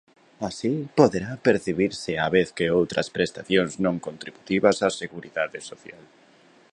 Así, poderá percibirse á vez que outras prestacións non contributivas á Seguridade Social.